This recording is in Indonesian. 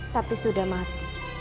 tapi sudah mati